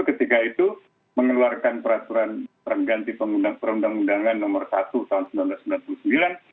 ketika itu mengeluarkan peraturan perganti perundang undangan nomor satu tahun seribu sembilan ratus sembilan puluh sembilan